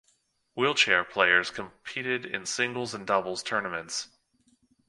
Wheelchair players competed in singles and doubles tournaments.